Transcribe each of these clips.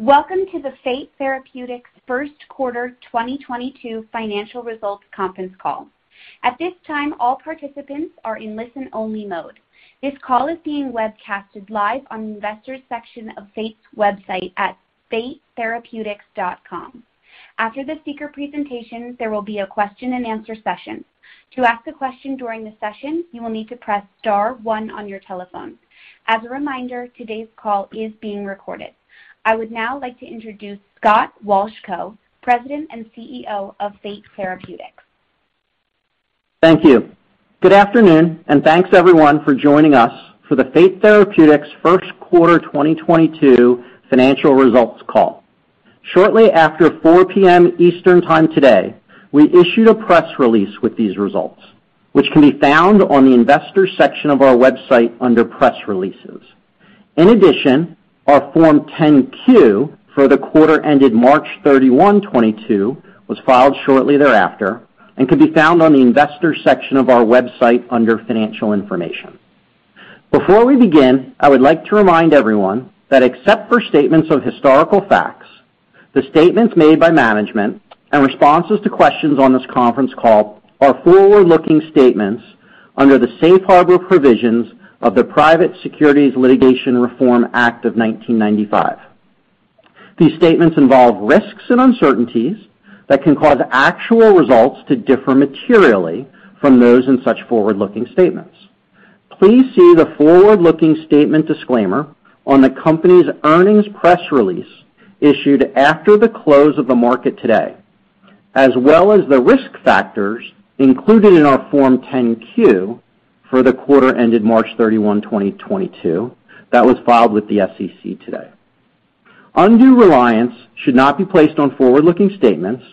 Welcome to the Fate Therapeutics Q1 2022 Financial Results Conference Call. At this time, all participants are in listen-only mode. This call is being webcasted live on the investors section of Fate's website at fatetherapeutics.com. After the speaker presentation, there will be a question-and-answer session. To ask a question during the session, you will need to press star one on your telephone. As a reminder, today's call is being recorded. I would now like to introduce Scott Wolchko, President and CEO of Fate Therapeutics. Thank you. Good afternoon, and thanks, everyone, for joining us for the Fate Therapeutics Q1 2022 financial results call. Shortly after 4 P.M. Eastern Time today, we issued a press release with these results, which can be found on the investor section of our website under Press Releases. In addition, our Form 10-Q for the quarter ended March 31, 2022 was filed shortly thereafter and can be found on the investor section of our website under Financial Information. Before we begin, I would like to remind everyone that except for statements of historical facts, the statements made by management and responses to questions on this conference call are forward-looking statements under the safe harbor provisions of the Private Securities Litigation Reform Act of 1995. These statements involve risks and uncertainties that can cause actual results to differ materially from those in such forward-looking statements. Please see the forward-looking statement disclaimer on the company's earnings press release issued after the close of the market today, as well as the risk factors included in our Form 10-Q for the quarter ended March 31, 2022 that was filed with the SEC today. Undue reliance should not be placed on forward-looking statements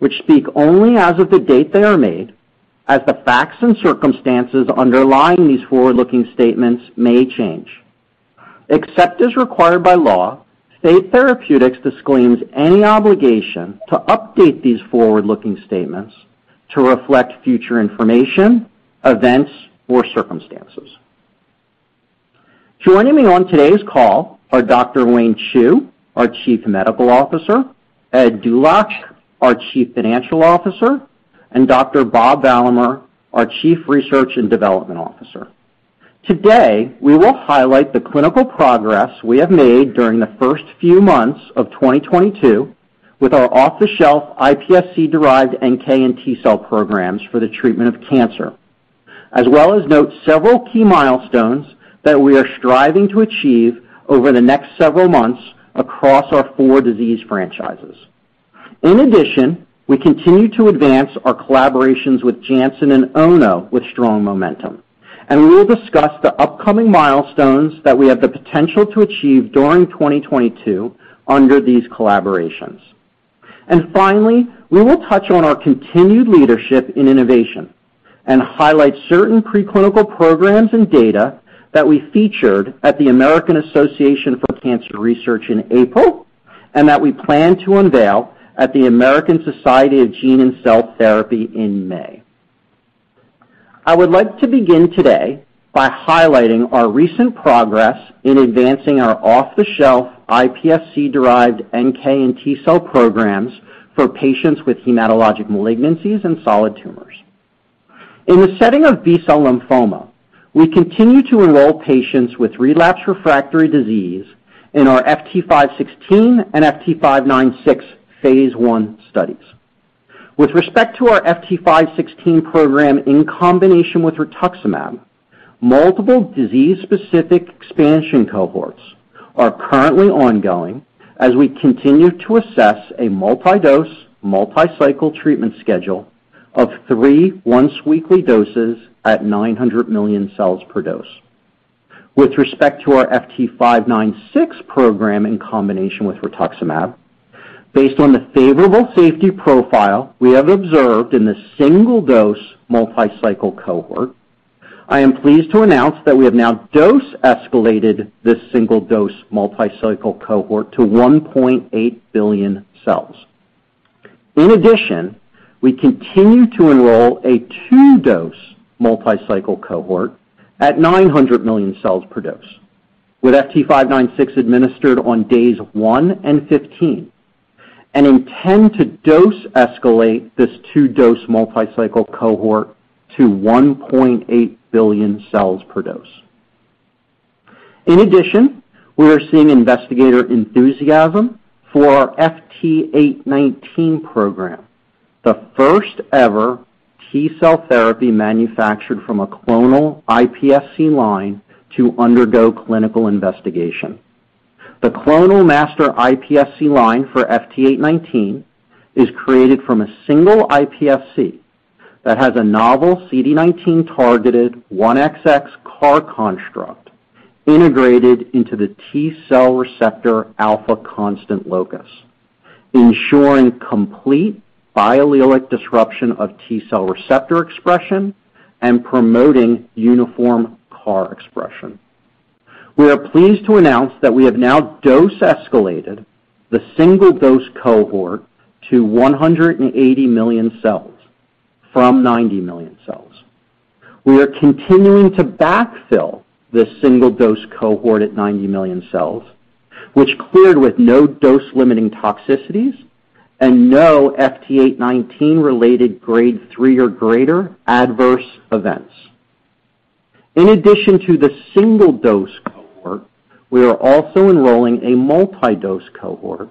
which speak only as of the date they are made, as the facts and circumstances underlying these forward-looking statements may change. Except as required by law, Fate Therapeutics disclaims any obligation to update these forward-looking statements to reflect future information, events, or circumstances. Joining me on today's call are Dr. Wayne Chu, our Chief Medical Officer, Ed Dulac, our Chief Financial Officer, and Dr. Bob Valamehr, our Chief Research and Development Officer. Today, we will highlight the clinical progress we have made during the first few months of 2022 with our off-the-shelf iPSC-derived NK and T-cell programs for the treatment of cancer, as well as note several key milestones that we are striving to achieve over the next several months across our four disease franchises. In addition, we continue to advance our collaborations with Janssen and Ono with strong momentum, and we will discuss the upcoming milestones that we have the potential to achieve during 2022 under these collaborations. Finally, we will touch on our continued leadership in innovation and highlight certain preclinical programs and data that we featured at the American Association for Cancer Research in April, and that we plan to unveil at the American Society of Gene and Cell Therapy in May. I would like to begin today by highlighting our recent progress in advancing our off-the-shelf iPSC-derived NK and T-cell programs for patients with hematologic malignancies and solid tumors. In the setting of B-cell lymphoma, we continue to enroll patients with relapsed refractory disease in our FT516 and FT596 phase I studies. With respect to our FT516 program in combination with rituximab, multiple disease-specific expansion cohorts are currently ongoing as we continue to assess a multi-dose, multi-cycle treatment schedule of three once-weekly doses at 900 million cells per dose. With respect to our FT596 program in combination with rituximab, based on the favorable safety profile we have observed in the single-dose, multi-cycle cohort, I am pleased to announce that we have now dose escalated this single-dose multi-cycle cohort to 1.8 billion cells. In addition, we continue to enroll a two-dose multi-cycle cohort at 900 million cells per dose, with FT596 administered on days one and 15, and intend to dose escalate this two-dose multi-cycle cohort to 1.8 billion cells per dose. In addition, we are seeing investigator enthusiasm for our FT819 program, the first ever T-cell therapy manufactured from a clonal iPSC line to undergo clinical investigation. The clonal master iPSC line for FT819 is created from a single iPSC that has a novel CD19-targeted 1XX CAR construct integrated into the T-cell receptor alpha constant locus, ensuring complete biallelic disruption of T-cell receptor expression and promoting uniform CAR expression. We are pleased to announce that we have now dose escalated the single-dose cohort to 180 million cells from 90 million cells. We are continuing to backfill this single-dose cohort at 90 million cells, which cleared with no dose-limiting toxicities and no FT819 related grade three or greater adverse events. In addition to the single-dose cohort, we are also enrolling a multi-dose cohort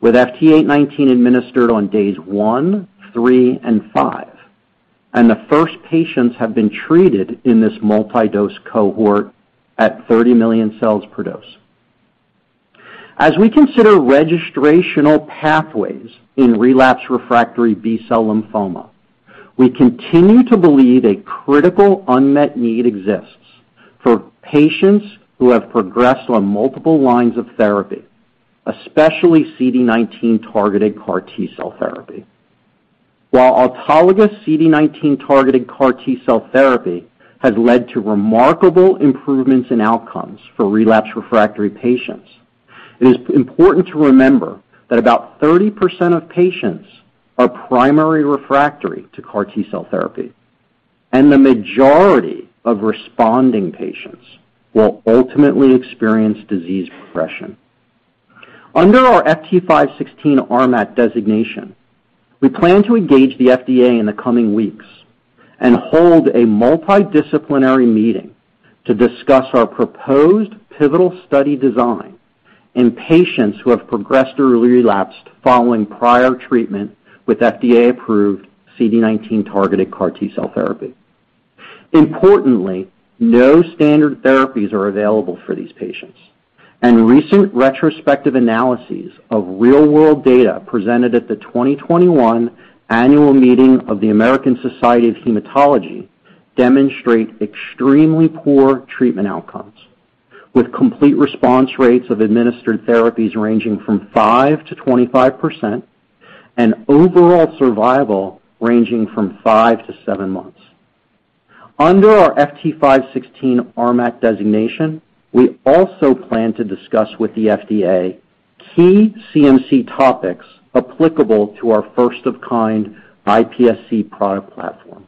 with FT819 administered on days one, three, and five, and the first patients have been treated in this multi-dose cohort at 30 million cells per dose. As we consider registrational pathways in relapsed refractory B-cell lymphoma, we continue to believe a critical unmet need exists for patients who have progressed on multiple lines of therapy, especially CD19-targeted CAR T-cell therapy. While autologous CD19-targeted CAR T-cell therapy has led to remarkable improvements in outcomes for relapsed/refractory patients, it is important to remember that about 30% of patients are primary refractory to CAR T-cell therapy, and the majority of responding patients will ultimately experience disease progression. Under our FT516 RMAT designation, we plan to engage the FDA in the coming weeks and hold a multidisciplinary meeting to discuss our proposed pivotal study design in patients who have progressed or relapsed following prior treatment with FDA-approved CD19-targeted CAR T-cell therapy. Importantly, no standard therapies are available for these patients, and recent retrospective analyses of real-world data presented at the 2021 annual meeting of the American Society of Hematology demonstrate extremely poor treatment outcomes, with complete response rates of administered therapies ranging from 5%-25% and overall survival ranging from five-seven months. Under our FT516 RMAT designation, we also plan to discuss with the FDA key CMC topics applicable to our first of kind iPSC product platform.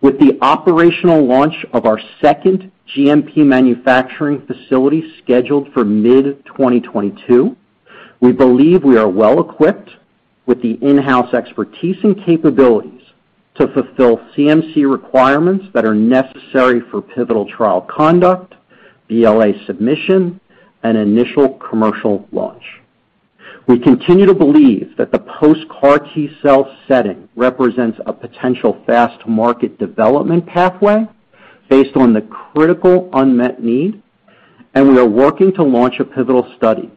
With the operational launch of our second GMP manufacturing facility scheduled for mid-2022, we believe we are well equipped with the in-house expertise and capabilities to fulfill CMC requirements that are necessary for pivotal trial conduct, BLA submission, and initial commercial launch. We continue to believe that the post-CAR T-cell setting represents a potential fast market development pathway based on the critical unmet need, and we are working to launch a pivotal study,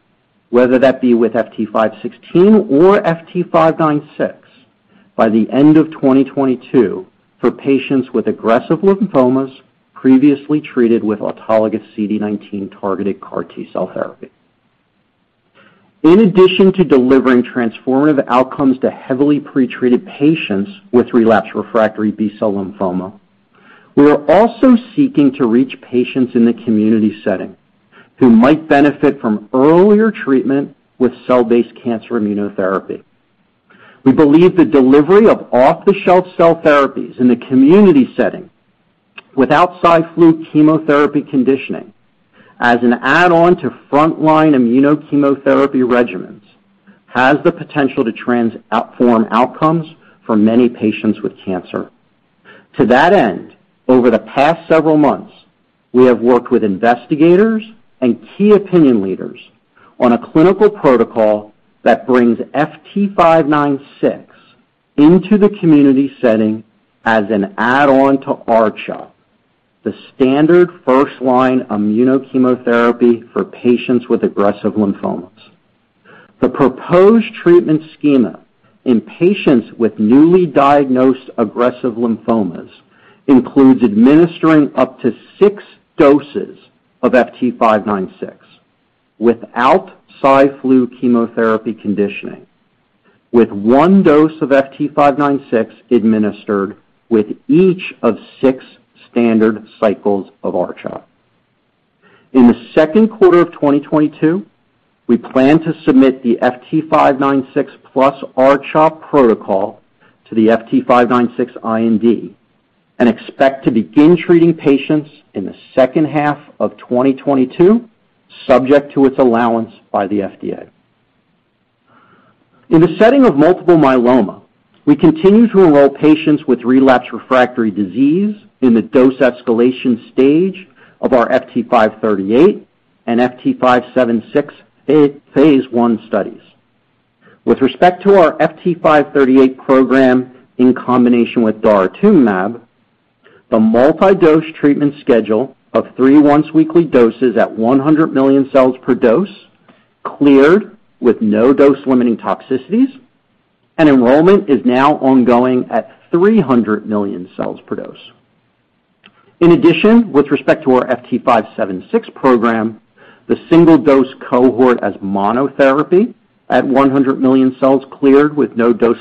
whether that be with FT516 or FT596, by the end of 2022 for patients with aggressive lymphomas previously treated with autologous CD19-targeted CAR T-cell therapy. In addition to delivering transformative outcomes to heavily pretreated patients with relapse refractory B-cell lymphoma, we are also seeking to reach patients in the community setting who might benefit from earlier treatment with cell-based cancer immunotherapy. We believe the delivery of off-the-shelf cell therapies in the community setting without Cy/Flu chemotherapy conditioning as an add-on to frontline immunochemotherapy regimens has the potential to transform outcomes for many patients with cancer. To that end, over the past several months, we have worked with investigators and key opinion leaders on a clinical protocol that brings FT596 into the community setting as an add-on to R-CHOP, the standard first-line immunochemotherapy for patients with aggressive lymphomas. The proposed treatment schema in patients with newly diagnosed aggressive lymphomas includes administering up to six doses of FT596 without Cy/Flu chemotherapy conditioning, with one dose of FT596 administered with each of six standard cycles of R-CHOP. In the Q2 of 2022, we plan to submit the FT596 plus R-CHOP protocol to the FT596 IND and expect to begin treating patients in the second half of 2022, subject to its allowance by the FDA. In the setting of multiple myeloma, we continue to enroll patients with relapse/refractory disease in the dose escalation stage of our FT538 and FT576 phase I studies. With respect to our FT538 program in combination with daratumumab, the multi-dose treatment schedule of three once-weekly doses at 100 million cells per dose cleared with no dose-limiting toxicities and enrollment is now ongoing at 300 million cells per dose. In addition, with respect to our FT576 program, the single-dose cohort as monotherapy at 100 million cells cleared with no dose,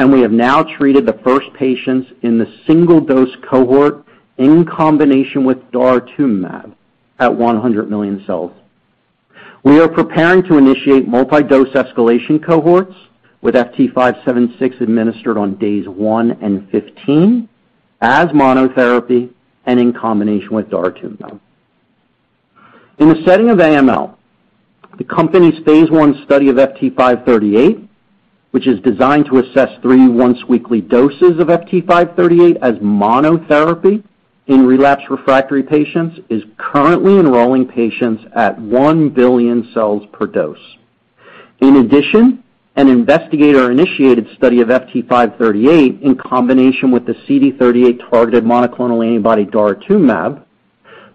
and we have now treated the first patients in the single-dose cohort in combination with daratumumab at 100 million cells per dose. We are preparing to initiate multi-dose escalation cohorts with FT576 administered on days one and 15 as monotherapy and in combination with daratumumab. In the setting of AML, the company's phase I study of FT538, which is designed to assess three once weekly doses of FT538 as monotherapy in relapsed refractory patients is currently enrolling patients at 1 billion cells per dose. In addition, an investigator-initiated study of FT538 in combination with the CD38 targeted monoclonal antibody daratumumab,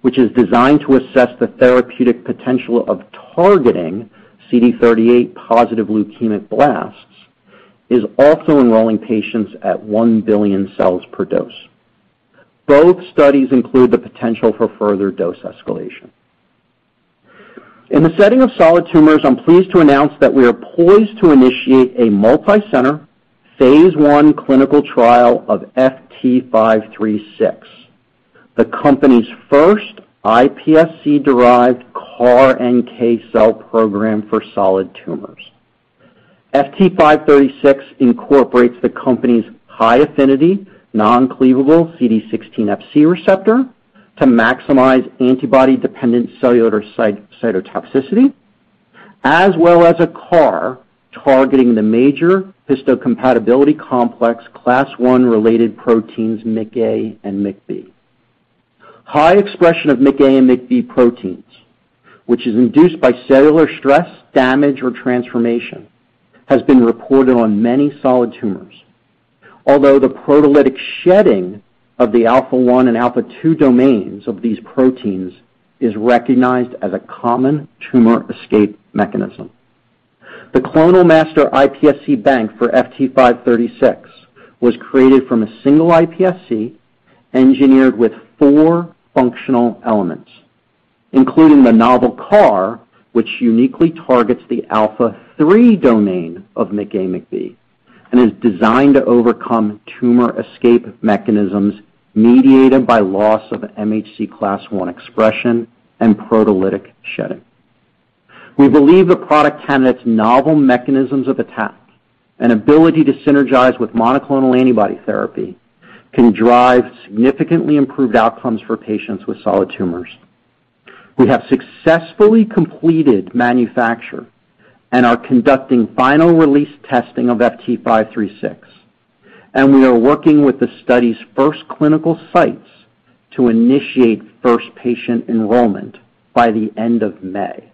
which is designed to assess the therapeutic potential of targeting CD38 positive leukemic blasts, is also enrolling patients at 1 billion cells per dose. Both studies include the potential for further dose escalation. In the setting of solid tumors, I'm pleased to announce that we are poised to initiate a multicenter phase I clinical trial of FT536, the company's first iPSC-derived CAR NK cell program for solid tumors. FT536 incorporates the company's high-affinity non-cleavable CD16 Fc receptor to maximize antibody-dependent cellular cytotoxicity, as well as a CAR targeting the major histocompatibility complex class I-related proteins MIC-A and MIC-B. High expression of MIC-A and MIC-B proteins, which is induced by cellular stress, damage, or transformation, has been reported on many solid tumors. Although the proteolytic shedding of the alpha one and alpha two domains of these proteins is recognized as a common tumor escape mechanism. The clonal master iPSC bank for FT536 was created from a single iPSC engineered with four functional elements, including the novel CAR, which uniquely targets the alpha three domain of MIC-A MIC-B and is designed to overcome tumor escape mechanisms mediated by loss of MHC class I expression and proteolytic shedding. We believe the product candidate's novel mechanisms of attack and ability to synergize with monoclonal antibody therapy can drive significantly improved outcomes for patients with solid tumors. We have successfully completed manufacture and are conducting final release testing of FT536, and we are working with the study's first clinical sites to initiate first patient enrollment by the end of May.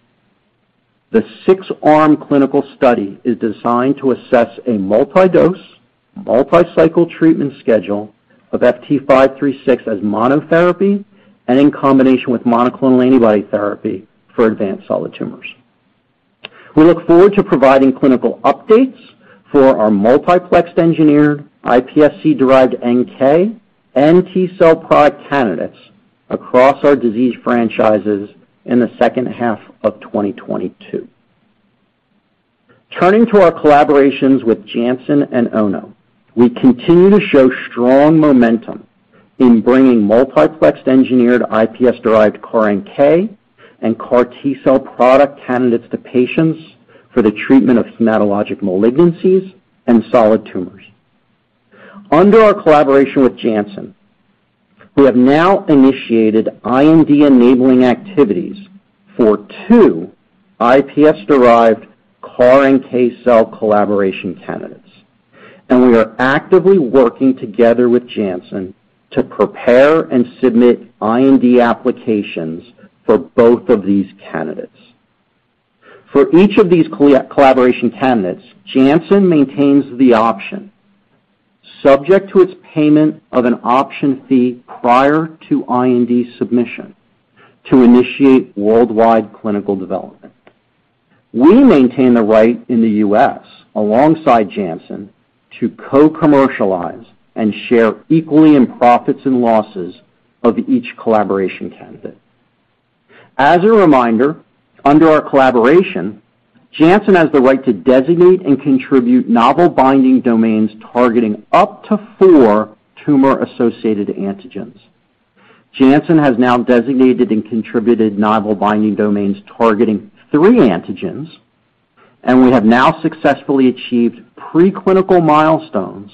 The six-arm clinical study is designed to assess a multi-dose, multi-cycle treatment schedule of FT536 as monotherapy and in combination with monoclonal antibody therapy for advanced solid tumors. We look forward to providing clinical updates for our multiplexed engineered iPSC-derived NK and T-cell product candidates across our disease franchises in the second half of 2022. Turning to our collaborations with Janssen and Ono. We continue to show strong momentum in bringing multiplexed engineered iPSC-derived CAR NK and CAR T-cell product candidates to patients for the treatment of hematologic malignancies and solid tumors. Under our collaboration with Janssen, we have now initiated IND-enabling activities for two iPSC-derived CAR NK cell collaboration candidates, and we are actively working together with Janssen to prepare and submit IND applications for both of these candidates. For each of these collaboration candidates, Janssen maintains the option, subject to its payment of an option fee prior to IND submission, to initiate worldwide clinical development. We maintain the right in the US alongside Janssen to co-commercialize and share equally in profits and losses of each collaboration candidate. As a reminder, under our collaboration, Janssen has the right to designate and contribute novel binding domains targeting up to four tumor-associated antigens. Janssen has now designated and contributed novel binding domains targeting three antigens, and we have now successfully achieved preclinical milestones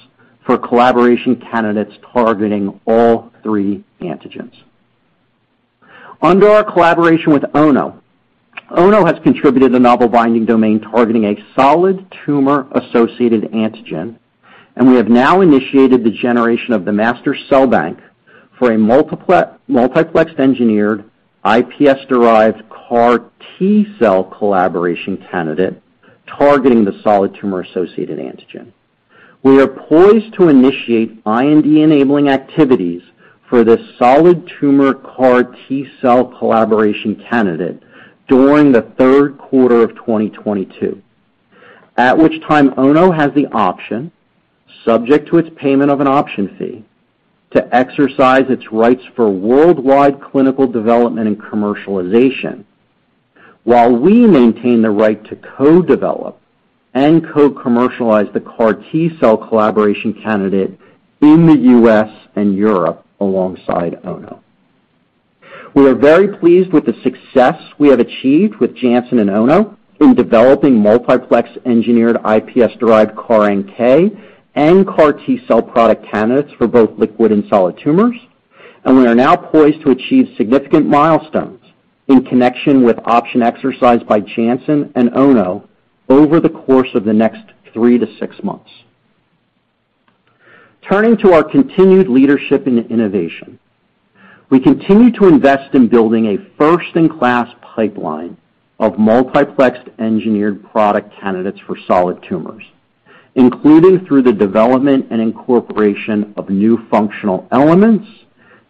for collaboration candidates targeting all three antigens. Under our collaboration with Ono has contributed a novel binding domain targeting a solid tumor-associated antigen, and we have now initiated the generation of the master cell bank for a multiplexed engineered iPSC-derived CAR T-cell collaboration candidate targeting the solid tumor-associated antigen. We are poised to initiate IND-enabling activities for this solid tumor CAR T-cell collaboration candidate during the Q3 of 2022, at which time Ono has the option, subject to its payment of an option fee, to exercise its rights for worldwide clinical development and commercialization while we maintain the right to co-develop and co-commercialize the CAR T cell collaboration candidate in the U.S. and Europe alongside Ono. We are very pleased with the success we have achieved with Janssen and Ono in developing multiplex engineered iPSC-derived CAR-NK and CAR T cell product candidates for both liquid and solid tumors, and we are now poised to achieve significant milestones in connection with option exercise by Janssen and Ono over the course of the next three-six months. Turning to our continued leadership in innovation, we continue to invest in building a first-in-class pipeline of multiplex engineered product candidates for solid tumors, including through the development and incorporation of new functional elements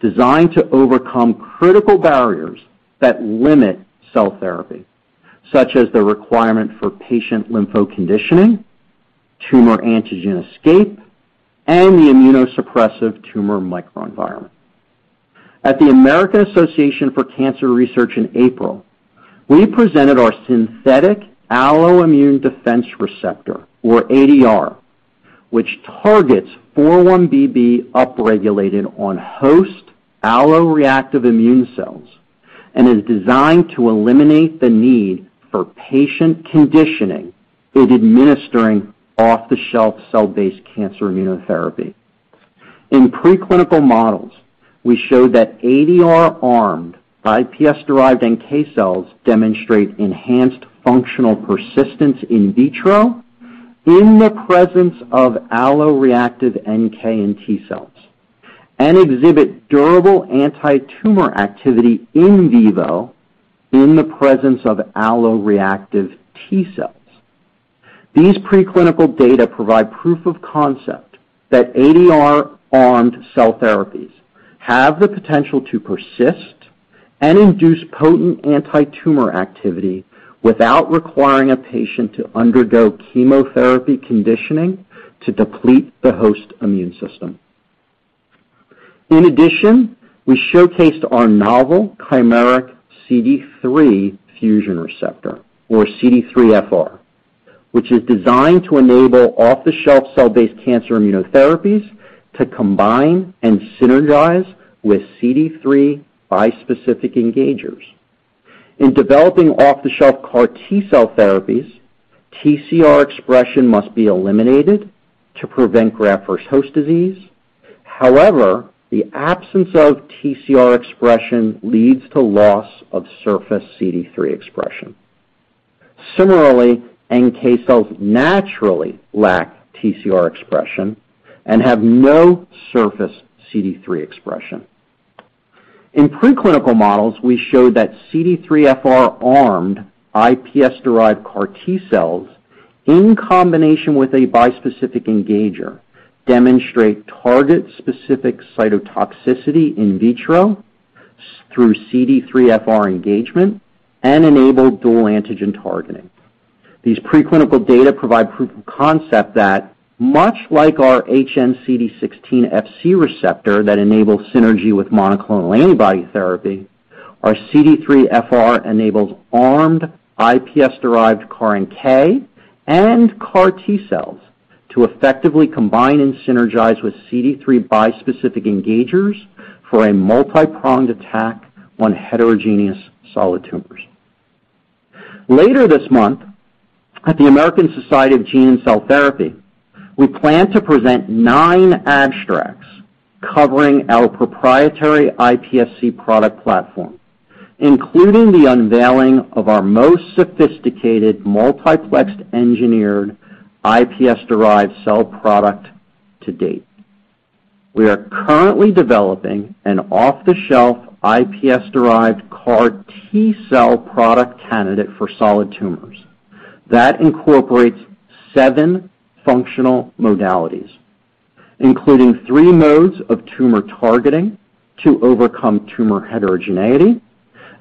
designed to overcome critical barriers that limit cell therapy, such as the requirement for patient lympho-conditioning, tumor antigen escape, and the immunosuppressive tumor microenvironment. At the American Association for Cancer Research in April, we presented our synthetic alloimmune defense receptor, or ADR, which targets 4-1BB upregulated on host alloreactive immune cells and is designed to eliminate the need for patient conditioning in administering off-the-shelf cell-based cancer immunotherapy. In preclinical models, we showed that ADR armed iPSC-derived NK cells demonstrate enhanced functional persistence in vitro in the presence of alloreactive NK and T cells and exhibit durable antitumor activity in vivo in the presence of alloreactive T cells. These preclinical data provide proof of concept that ADR-armed cell therapies have the potential to persist and induce potent antitumor activity without requiring a patient to undergo chemotherapy conditioning to deplete the host immune system. In addition, we showcased our novel chimeric CD3 fusion receptor, or CD3-FR, which is designed to enable off-the-shelf cell-based cancer immunotherapies to combine and synergize with CD3 bispecific engagers. In developing off-the-shelf CAR T-cell therapies, TCR expression must be eliminated to prevent graft versus host disease. However, the absence of TCR expression leads to loss of surface CD3 expression. Similarly, NK cells naturally lack TCR expression and have no surface CD3 expression. In preclinical models, we showed that CD3-FR armed iPSC-derived CAR T cells in combination with a bispecific engager demonstrate target-specific cytotoxicity in vitro through CD3-FR engagement and enable dual antigen targeting. These preclinical data provide proof of concept that much like our hnCD16 Fc receptor that enables synergy with monoclonal antibody therapy, our CD3-FR enables armed iPSC-derived CAR-NK and CAR T cells to effectively combine and synergize with CD3 bispecific engagers for a multipronged attack on heterogeneous solid tumors. Later this month, at the American Society of Gene and Cell Therapy, we plan to present nine abstracts covering our proprietary iPSC product platform, including the unveiling of our most sophisticated multiplex engineered iPSC-derived cell product to date. We are currently developing an off-the-shelf iPSC-derived CAR T cell product candidate for solid tumors that incorporates seven functional modalities, including three modes of tumor targeting to overcome tumor heterogeneity,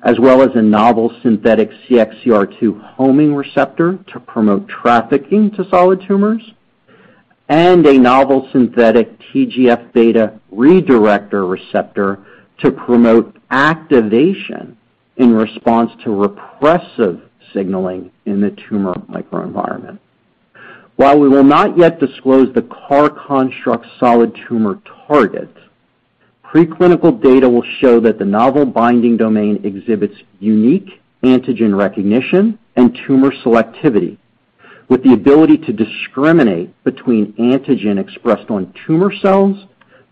as well as a novel synthetic CXCR2 homing receptor to promote trafficking to solid tumors, and a novel synthetic TGF-beta redirector receptor to promote activation in response to repressive signaling in the tumor microenvironment. While we will not yet disclose the CAR construct solid tumor target, preclinical data will show that the novel binding domain exhibits unique antigen recognition and tumor selectivity with the ability to discriminate between antigen expressed on tumor cells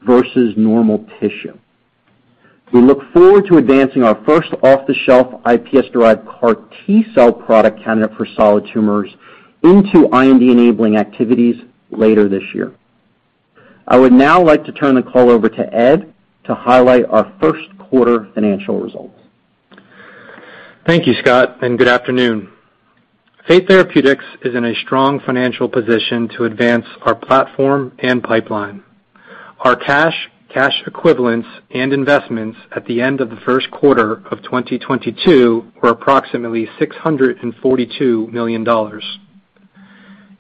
versus normal tissue. We look forward to advancing our first off-the-shelf iPS-derived CAR T cell product candidate for solid tumors into IND-enabling activities later this year. I would now like to turn the call over to Ed to highlight our Q1 financial results. Thank you, Scott, and good afternoon. Fate Therapeutics is in a strong financial position to advance our platform and pipeline. Our cash equivalents, and investments at the end of the Q1 of 2022 were approximately $642 million.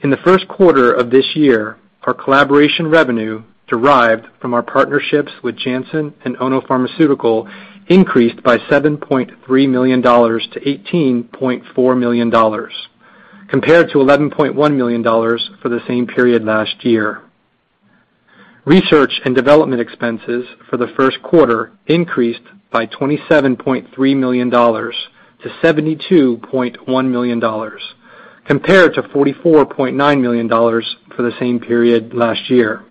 In the Q1 of this year, our collaboration revenue derived from our partnerships with Janssen and Ono Pharmaceutical increased by $7.3 million-$18.4 million, compared to $11.1 million for the same period last year. Research and development expenses for the Q1 increased by $27.3 million-$72.1 million compared to $44.9 million for the same period last year.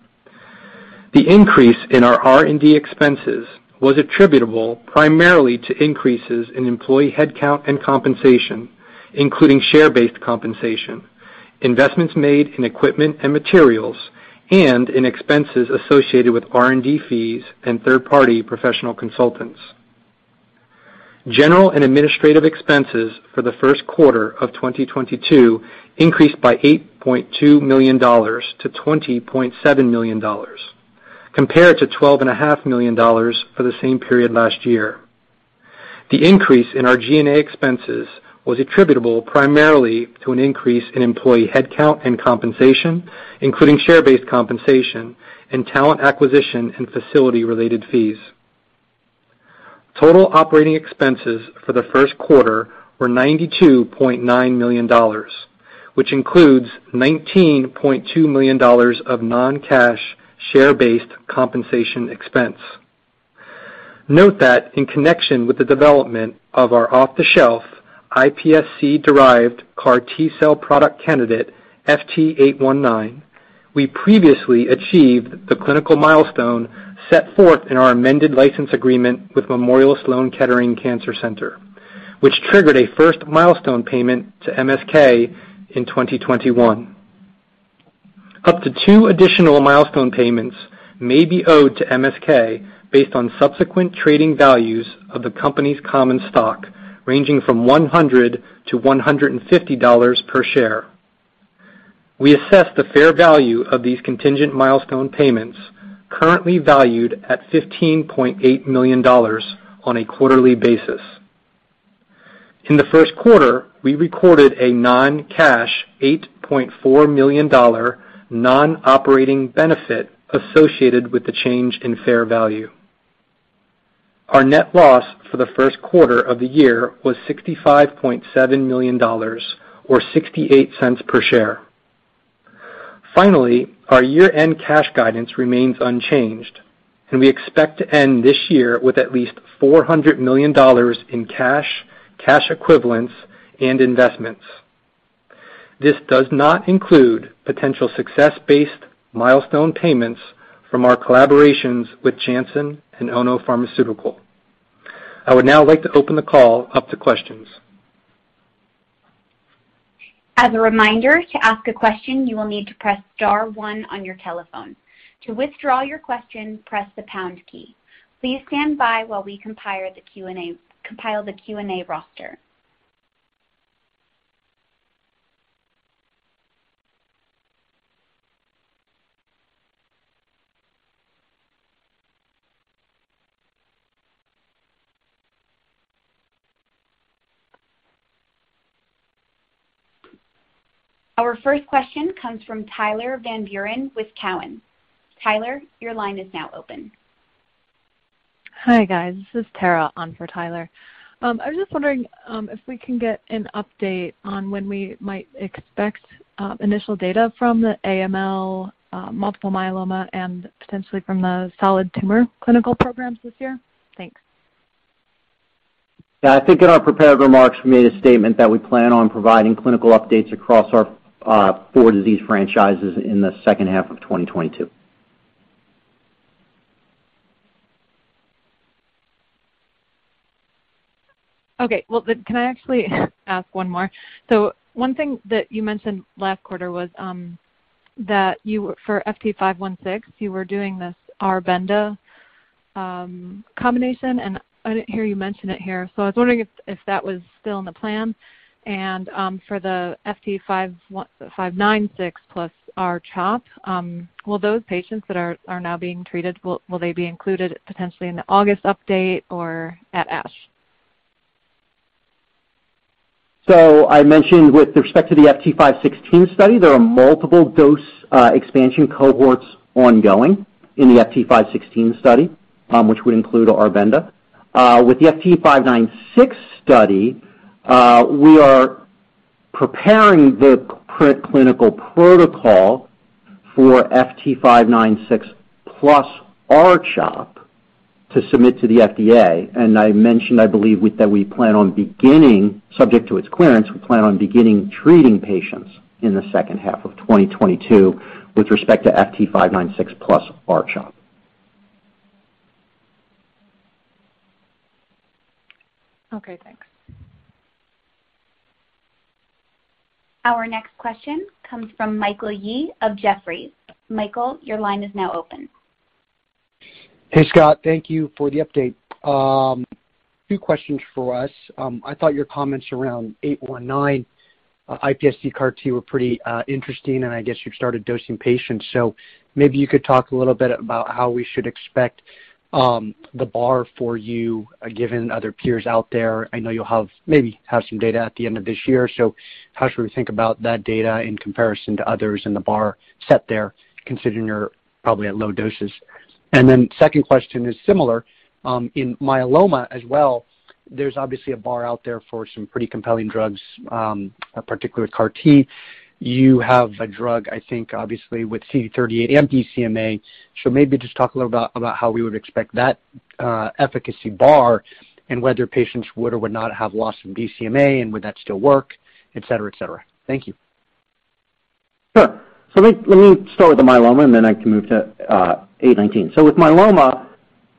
The increase in our R&D expenses was attributable primarily to increases in employee headcount and compensation, including share-based compensation, investments made in equipment and materials, and in expenses associated with R&D fees and third-party professional consultants. General and administrative expenses for the Q1 of 2022 increased by $8.2 million-$20.7 million compared to $12.5 million for the same period last year. The increase in our G&A expenses was attributable primarily to an increase in employee headcount and compensation, including share-based compensation and talent acquisition and facility-related fees. Total operating expenses for the Q1 were $92.9 million, which includes $19.2 million of non-cash share-based compensation expense. Note that in connection with the development of our off-the-shelf iPSC-derived CAR T-cell product candidate, FT819, we previously achieved the clinical milestone set forth in our amended license agreement with Memorial Sloan Kettering Cancer Center, which triggered a first milestone payment to MSK in 2021. Up to two additional milestone payments may be owed to MSK based on subsequent trading values of the company's common stock, ranging from $100-$150 per share. We assess the fair value of these contingent milestone payments currently valued at $15.8 million on a quarterly basis. In the Q1, we recorded a non-cash $8.4 million non-operating benefit associated with the change in fair value. Our net loss for the Q1 of the year was $65.7 million or $0.68 per share. Finally, our year-end cash guidance remains unchanged, and we expect to end this year with at least $400 million in cash equivalents, and investments. This does not include potential success-based milestone payments from our collaborations with Janssen and Ono Pharmaceutical. I would now like to open the call up to questions. As a reminder, to ask a question, you will need to press star one on your telephone. To withdraw your question, press the pound key. Please stand by while we compile the Q&A roster. Our first question comes from Tyler Van Buren with Cowen. Tyler, your line is now open. Hi, guys. This is Tara on for Tyler. I was just wondering if we can get an update on when we might expect initial data from the AML, multiple myeloma and potentially from the solid tumor clinical programs this year. Thanks. Yeah. I think in our prepared remarks, we made a statement that we plan on providing clinical updates across our four disease franchises in the second half of 2022. Okay. Well, can I actually ask one more? One thing that you mentioned last quarter was that you for FT516, you were doing this R-Benda combination, and I didn't hear you mention it here. I was wondering if that was still in the plan. For the FT596 plus R-CHOP, will those patients that are now being treated, will they be included potentially in the August update or at ASH? I mentioned with respect to the FT516 study, there are multiple dose expansion cohorts ongoing in the FT516 study, which would include R-Benda. With the FT596 study, we are preparing the preclinical protocol for FT596 plus R-CHOP to submit to the FDA. I mentioned, I believe, with that we plan on beginning treating patients in the second half of 2022 with respect to FT596 plus R-CHOP, subject to its clearance. Okay, thanks. Our next question comes from Michael Yee of Jefferies. Michael, your line is now open. Hey, Scott. Thank you for the update. Two questions for us. I thought your comments around FT819, iPSC CAR T were pretty interesting, and I guess you've started dosing patients. Maybe you could talk a little bit about how we should expect the bar for you given other peers out there. I know you'll maybe have some data at the end of this year. How should we think about that data in comparison to others in the bar set there, considering you're probably at low doses? Second question is similar, in myeloma as well, there's obviously a bar out there for some pretty compelling drugs, particularly CAR T. You have a drug, I think, obviously, with CD38 and BCMA. Maybe just talk a little about how we would expect that efficacy bar and whether patients would or would not have lost some BCMA, and would that still work, et cetera. Thank you. Sure. Let me start with the myeloma, and then I can move to FT819. With myeloma,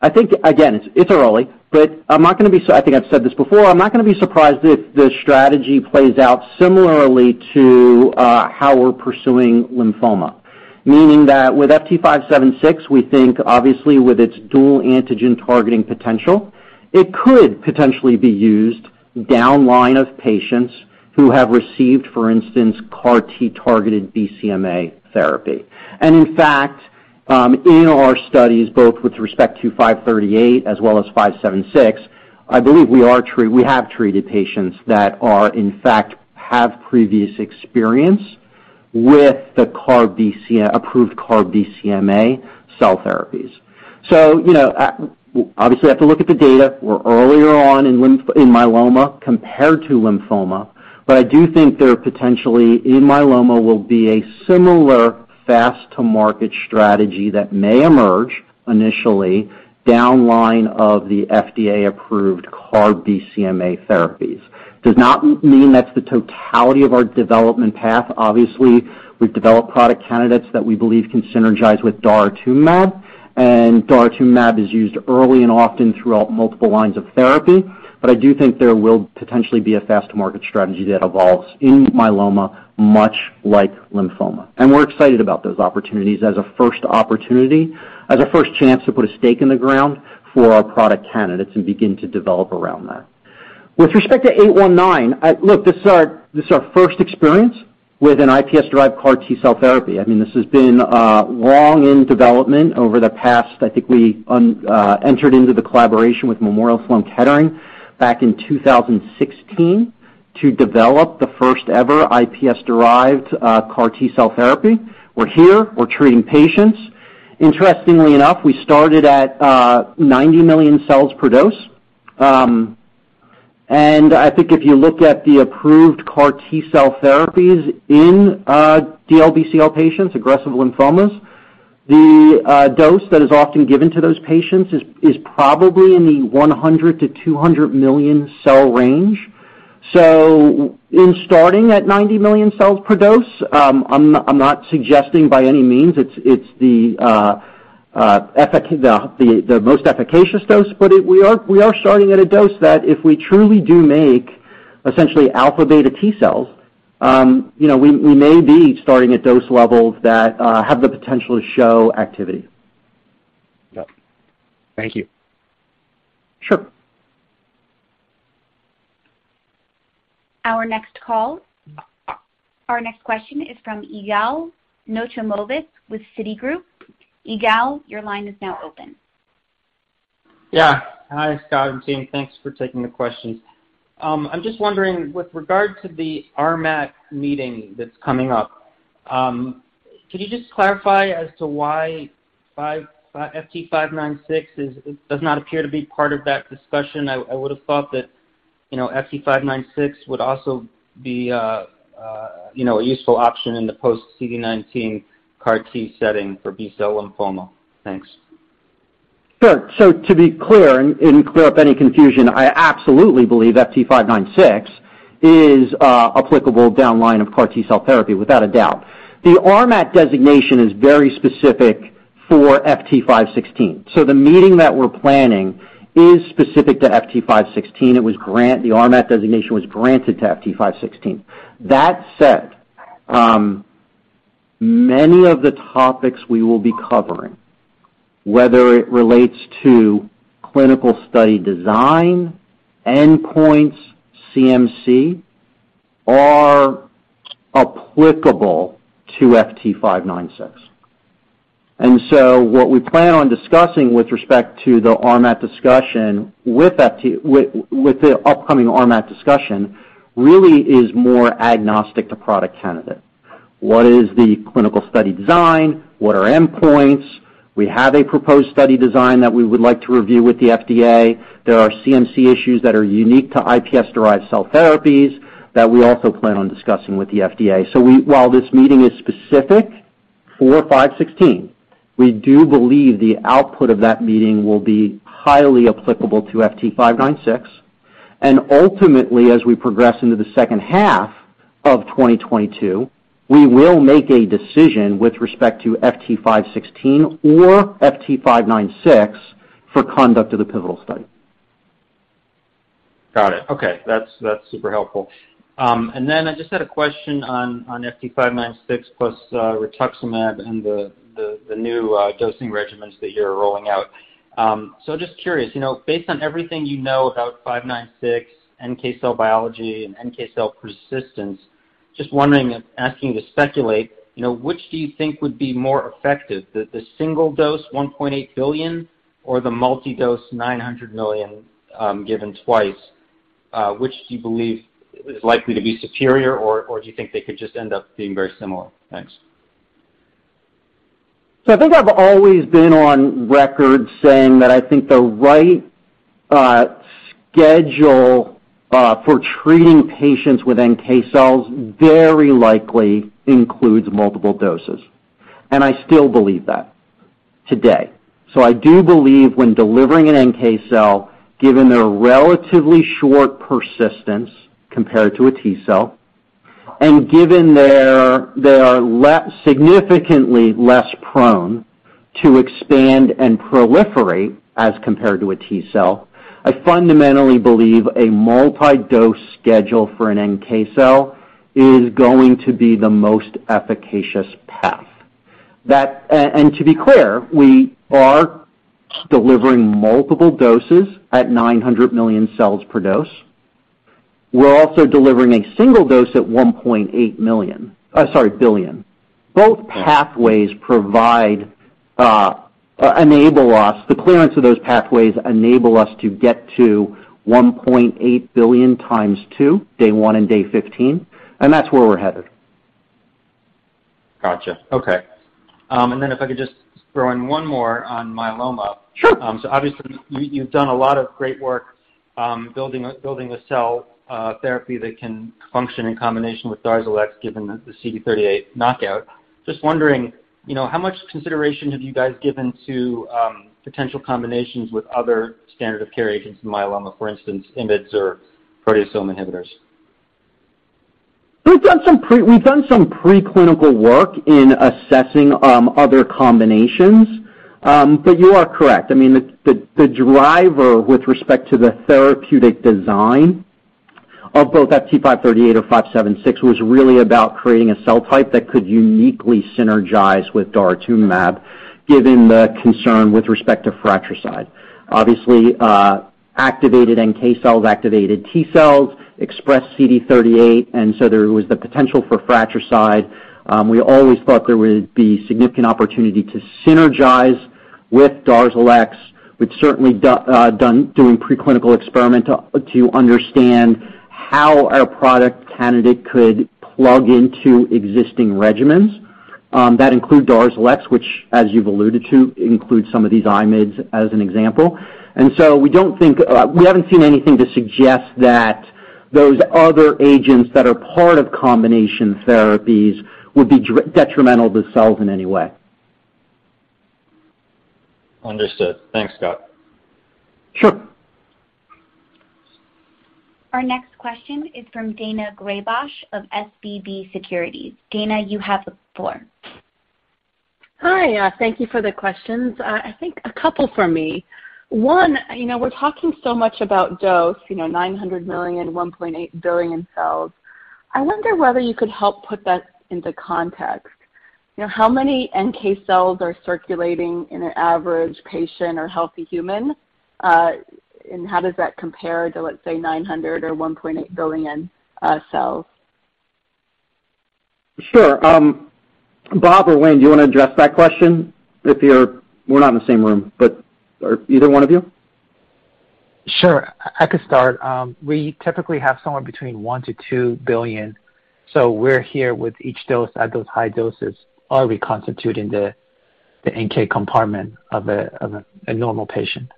I think, again, it's early, but I'm not gonna be surprised if the strategy plays out similarly to how we're pursuing lymphoma, meaning that with FT576, we think obviously with its dual antigen targeting potential, it could potentially be used downline of patients who have received, for instance, CAR T-targeted BCMA therapy. In fact, in our studies, both with respect to FT538 as well as FT576, I believe we have treated patients that in fact have previous experience with the approved CAR BCMA cell therapies. You know, obviously have to look at the data. We're earlier on in myeloma compared to lymphoma. I do think there potentially in myeloma will be a similar fast to market strategy that may emerge initially downline of the FDA-approved CAR BCMA therapies. Does not mean that's the totality of our development path. Obviously, we've developed product candidates that we believe can synergize with daratumumab, and daratumumab is used early and often throughout multiple lines of therapy. I do think there will potentially be a fast-to-market strategy that evolves in myeloma, much like lymphoma. We're excited about those opportunities as a first opportunity, as a first chance to put a stake in the ground for our product candidates and begin to develop around that. With respect to 819, Look, this is our first experience with an iPS-derived CAR T-cell therapy. I mean, this has been long in development over the past. I think we entered into the collaboration with Memorial Sloan Kettering back in 2016 to develop the first-ever iPS-derived CAR T-cell therapy. We're here, we're treating patients. Interestingly enough, we started at 90 million cells per dose. And I think if you look at the approved CAR T-cell therapies in DLBCL patients, aggressive lymphomas, the dose that is often given to those patients is probably in the 100-200 million cell range. In starting at 90 million cells per dose, I'm not suggesting by any means it's the most efficacious dose, but it. We are starting at a dose that if we truly do make essentially alpha-beta T-cells, you know, we may be starting at dose levels that have the potential to show activity. Yeah. Thank you. Sure. Our next caller. Our next question is from Yigal Nochomovitz with Citigroup. Yigal, your line is now open. Yeah. Hi, Scott and team. Thanks for taking the questions. I'm just wondering, with regard to the RMAT meeting that's coming up, could you just clarify as to why FT596 does not appear to be part of that discussion? I would have thought that, you know, FT596 would also be, you know, a useful option in the post-CD19 CAR T setting for B-cell lymphoma. Thanks. Sure. To be clear and clear up any confusion, I absolutely believe FT596 is applicable down the line of CAR T-cell therapy without a doubt. The RMAT designation is very specific for FT516. The meeting that we're planning is specific to FT516. The RMAT designation was granted to FT516. That said, many of the topics we will be covering, whether it relates to clinical study design, endpoints, CMC, are applicable to FT596. What we plan on discussing with respect to the upcoming RMAT discussion really is more agnostic to product candidate. What is the clinical study design? What are endpoints? We have a proposed study design that we would like to review with the FDA. There are CMC issues that are unique to iPS-derived cell therapies that we also plan on discussing with the FDA. While this meeting is specific for FT516, we do believe the output of that meeting will be highly applicable to FT596. Ultimately, as we progress into the second half of 2022, we will make a decision with respect to FT516 or FT596 for conduct of the pivotal study. Got it. Okay. That's super helpful. I just had a question on FT596 plus rituximab and the new dosing regimens that you're rolling out. So just curious, you know, based on everything you know about FT596, NK cell biology and NK cell persistence, just wondering and asking to speculate, you know, which do you think would be more effective, the single-dose 1.8 billion or the multi-dose 900 million, given twice? Which do you believe is likely to be superior, or do you think they could just end up being very similar? Thanks. I think I've always been on record saying that I think the right schedule for treating patients with NK cells very likely includes multiple doses, and I still believe that today. I do believe when delivering an NK cell, given their relatively short persistence compared to a T cell, and given they are significantly less prone to expand and proliferate as compared to a T cell, I fundamentally believe a multi-dose schedule for an NK cell is going to be the most efficacious path. To be clear, we are delivering multiple doses at 900 million cells per dose. We're also delivering a single dose at 1.8 billion. Both pathways provide enable us, the clearance of those pathways enable us to get to $1.8 billion times two, day one and day fifteen, and that's where we're headed. Gotcha. Okay. If I could just throw in one more on myeloma. Sure. Obviously you've done a lot of great work, building a cell therapy that can function in combination with Darzalex given the CD38 knockout. Just wondering, you know, how much consideration have you guys given to potential combinations with other standard of care agents in myeloma, for instance, IMiDs or proteasome inhibitors? We've done some preclinical work in assessing other combinations. You are correct. I mean, the driver with respect to the therapeutic design of both that FT538 or FT576 was really about creating a cell type that could uniquely synergize with daratumumab, given the concern with respect to fratricide. Obviously, activated NK cells, activated T cells expressed CD38, and so there was the potential for fratricide. We always thought there would be significant opportunity to synergize with Darzalex. We've certainly done preclinical experiment to understand how our product candidate could plug into existing regimens that include Darzalex, which as you've alluded to, includes some of these IMiDs as an example. We don't think, we haven't seen anything to suggest that those other agents that are part of combination therapies would be detrimental to cells in any way. Understood. Thanks, Scott. Sure. Our next question is from Daina Graybosch of SVB Securities. Daina, you have the floor. Hi. Thank you for the questions. I think a couple for me. One, you know, we're talking so much about dose, you know, 900 million, 1.8 billion cells. I wonder whether you could help put that into context. You know, how many NK cells are circulating in an average patient or healthy human, and how does that compare to, let's say, 900 or 1.8 billion, cells? Sure. Bob or Wayne, do you wanna address that question? We're not in the same room, but are either one of you? Sure, I could start. We typically have somewhere between 1-2 billion, so we're here with each dose at those high doses are reconstituting the NK compartment of a normal patient.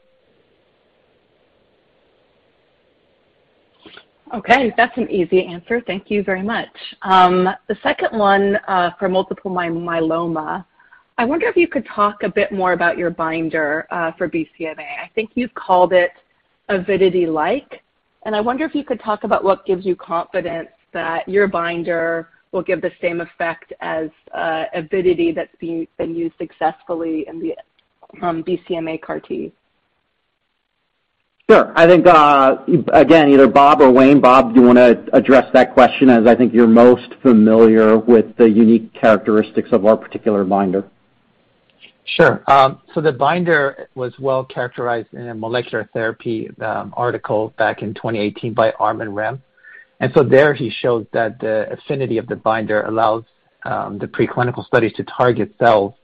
Okay. That's an easy answer. Thank you very much. The second one, for multiple myeloma, I wonder if you could talk a bit more about your binder for BCMA. I think you've called it avidity like, and I wonder if you could talk about what gives you confidence that your binder will give the same effect as avidity that's been used successfully in the BCMA CAR T. Sure. I think, again, either Bob or Wayne. Bob, do you wanna address that question, as I think you're most familiar with the unique characteristics of our particular binder? Sure. The binder was well-characterized in a Molecular Therapy article back in 2018 by Armin Rehm. There he shows that the affinity of the binder allows the preclinical studies to target cells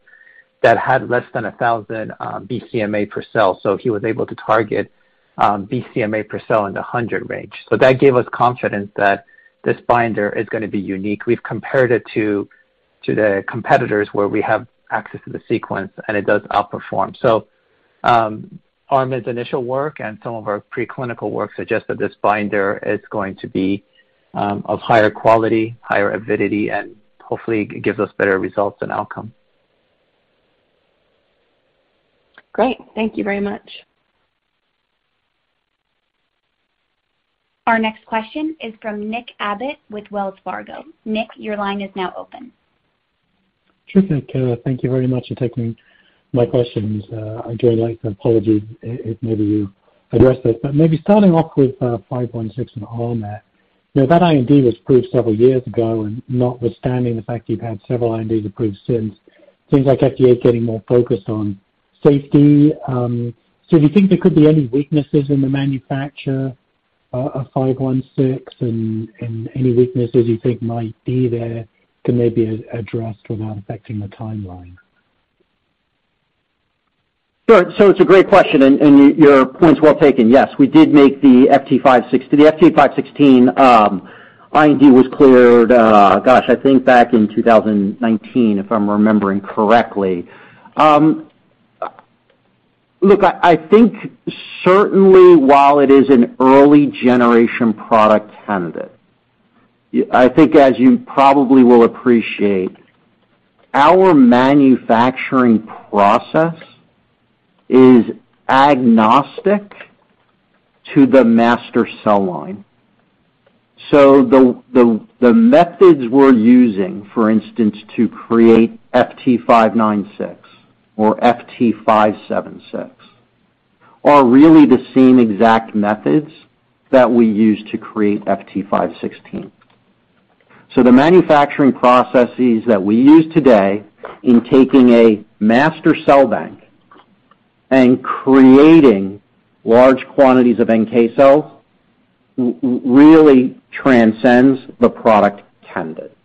that had less than 1,000 BCMA per cell. He was able to target BCMA per cell in the 100 range. That gave us confidence that this binder is gonna be unique. We've compared it to the competitors where we have access to the sequence, and it does outperform. Armin's initial work and some of our preclinical work suggest that this binder is going to be of higher quality, higher avidity, and hopefully gives us better results and outcome. Great. Thank you very much. Our next question is from Nick Abbott with Wells Fargo. Nick, your line is now open. Sure, thank you very much for taking my questions. I do like to apologize if maybe you addressed this, but maybe starting off with FT516 and RMAT. You know, that IND was approved several years ago, and notwithstanding the fact you've had several INDs approved since, things like FDA getting more focused on safety. Do you think there could be any weaknesses in the manufacture of FT516 and any weaknesses you think might be there can maybe address without affecting the timeline? Sure. It's a great question, and your point is well taken. Yes, we did make the FT516. The FT516 IND was cleared, I think back in 2019, if I'm remembering correctly. I think certainly while it is an early generation product candidate, I think as you probably will appreciate, our manufacturing process is agnostic to the master cell line. The methods we're using, for instance, to create FT596 or FT576 are really the same exact methods that we use to create FT516. The manufacturing processes that we use today in taking a master cell bank and creating large quantities of NK cells really transcends the product candidate.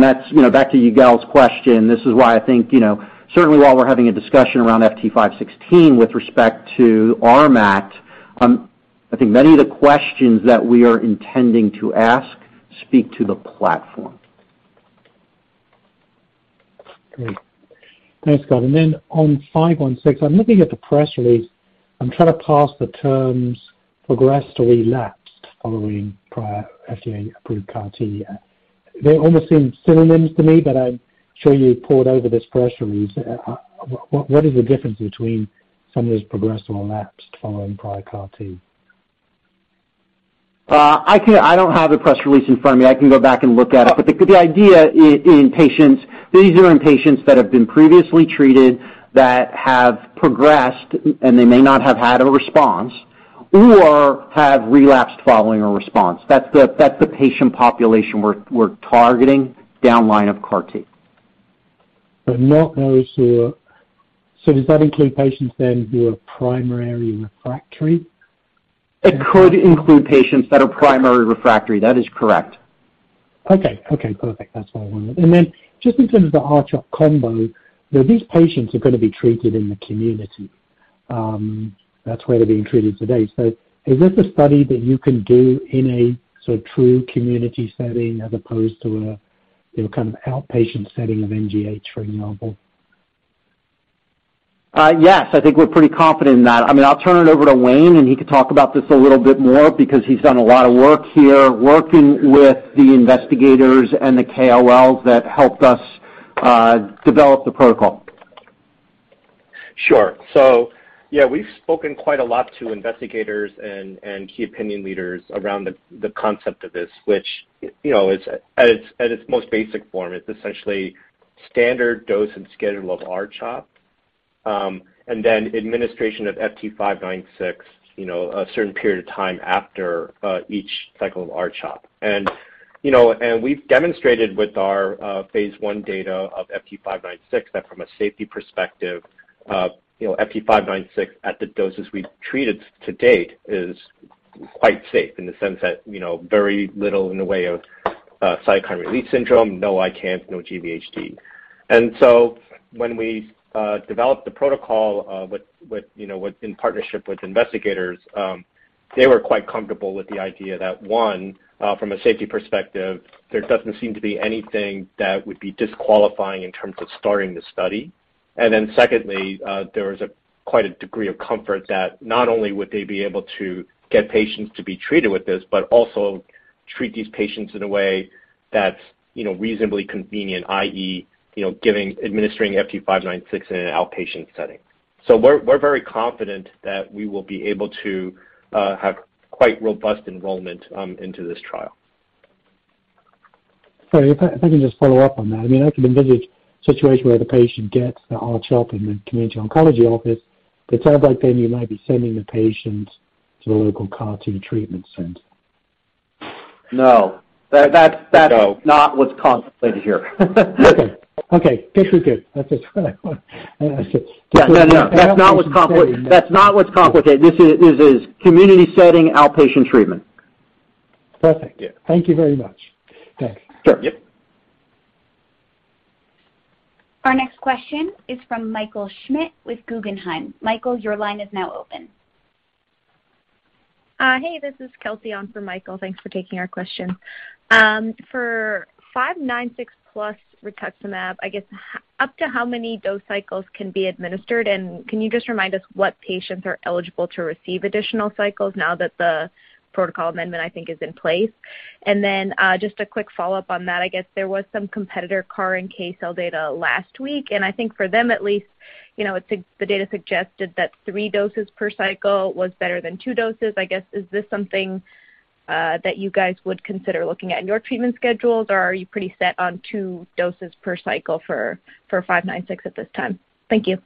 That's, you know, back to Yigal's question. This is why I think, you know, certainly while we're having a discussion around FT516 with respect to RMAT, I think many of the questions that we are intending to ask speak to the platform. Great. Thanks, Scott. On FT516, I'm looking at the press release. I'm trying to parse the terms progressed or relapsed following prior FDA-approved CAR T. They almost seem synonyms to me, but I'm sure you pored over this press release. What is the difference between someone who's progressed or relapsed following prior CAR T? I don't have the press release in front of me. I can go back and look at it. The idea in patients, these are in patients that have been previously treated that have progressed and they may not have had a response or have relapsed following a response. That's the patient population we're targeting down line of CAR T. Does that include patients then who are primary refractory? It could include patients that are primary refractory. That is correct. Okay. Okay, perfect. That's what I wanted. Just in terms of the R-CHOP combo, these patients are gonna be treated in the community. That's where they're being treated today. Is this a study that you can do in a sort of true community setting as opposed to a, you know, kind of outpatient setting of MGH, for example? Yes. I think we're pretty confident in that. I mean, I'll turn it over to Wayne, and he can talk about this a little bit more because he's done a lot of work here working with the investigators and the KOLs that helped us develop the protocol. Sure. Yeah, we've spoken quite a lot to investigators and key opinion leaders around the concept of this, which you know is at its most basic form. It's essentially standard dose and schedule of R-CHOP and then administration of FT596 you know a certain period of time after each cycle of R-CHOP. You know we've demonstrated with our phase I data of FT596 that from a safety perspective you know FT596 at the doses we've treated to date is quite safe in the sense that you know very little in the way of cytokine release syndrome, no ICANS, no GVHD. When we developed the protocol with you know with in partnership with investigators, they were quite comfortable with the idea that one from a safety perspective there doesn't seem to be anything that would be disqualifying in terms of starting the study. Secondly there was quite a degree of comfort that not only would they be able to get patients to be treated with this but also treat these patients in a way that's you know reasonably convenient i.e. administering FT596 in an outpatient setting. We're very confident that we will be able to have quite robust enrollment into this trial. Sorry, if I can just follow up on that. I mean, I can envision a situation where the patient gets the R-CHOP in the community oncology office. It sounds like then you might be sending the patient to a local CAR T treatment center. No. No. That's not what's contemplated here. Okay. Just good. That's it. Yeah. No, no. That's not what's complicated. This is community setting outpatient treatment. Perfect. Yeah. Thank you very much. Thanks. Sure. Yep. Our next question is from Michael Schmidt with Guggenheim. Michael, your line is now open. Hey, this is Kelsey on for Michael. Thanks for taking our question. For 596 plus Rituximab, I guess up to how many dose cycles can be administered, and can you just remind us what patients are eligible to receive additional cycles now that the protocol amendment, I think, is in place? Just a quick follow-up on that, I guess there was some competitor CAR NK cell data last week, and I think for them at least, you know, the data suggested that three doses per cycle was better than two doses. I guess, is this something that you guys would consider looking at in your treatment schedules, or are you pretty set on two doses per cycle for 596 at this time? Thank you.